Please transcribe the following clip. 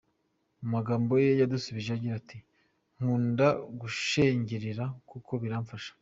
Mu magambo ye yadusubije agira ati :" Nkunda gushengerera kuko biramfasha.